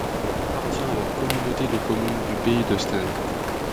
Elle appartient à la Communauté de Communes du Pays de Stenay.